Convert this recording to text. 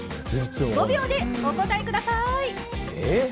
５秒でお答えください。